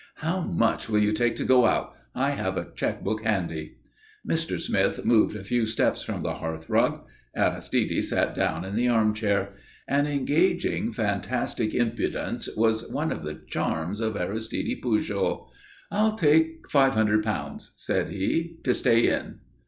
"How much will you take to go out? I have a cheque book handy." Mr. Smith moved a few steps from the hearthrug. Aristide sat down in the arm chair. An engaging, fantastic impudence was one of the charms of Aristide Pujol. "I'll take five hundred pounds," said he, "to stay in."